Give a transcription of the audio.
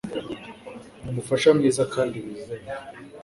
Ni umufasha mwiza kandi wizewe.